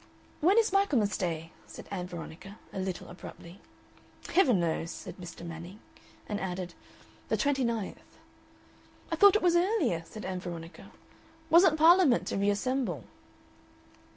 "When is Michaelmas Day?" said Ann Veronica, a little abruptly. "Heaven knows!" said Mr. Manning; and added, "the twenty ninth." "I thought it was earlier," said Ann Veronica. "Wasn't Parliament to reassemble?"